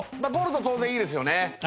ゴールド当然いいですよね